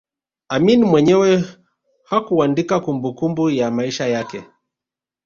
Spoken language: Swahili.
Amin mwenyewe hakuandika kumbukumbu ya maisha yake